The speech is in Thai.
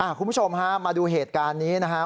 คุณผู้ชมฮะมาดูเหตุการณ์นี้นะครับ